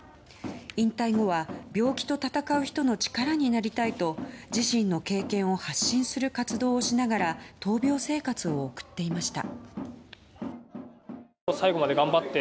引退後は病気と闘う人の力になりたいと自身の経験を発信する活動をしながら闘病生活を送っていました。